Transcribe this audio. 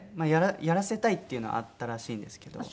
やらせたいっていうのはあったらしいんですけど。